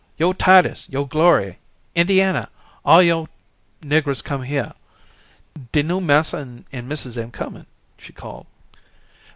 "Yo' Titus yo' Glory Indianna all yo' niggahs come hyere. De new massa and missus am comin'," she called.